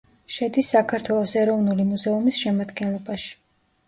შედის საქართველოს ეროვნული მუზეუმის შემადგენლობაში.